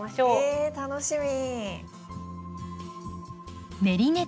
え楽しみ！